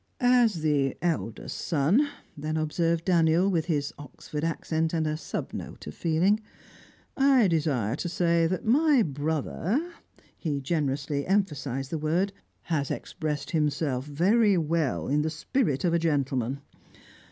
"As the eldest son," then observed Daniel, with his Oxford accent, and a sub note of feeling, "I desire to say that my brother" he generously emphasised the word "has expressed himself very well, in the spirit of a gentleman.